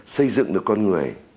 xây dựng được con người